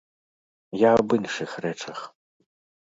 Я аб іншых рэчах.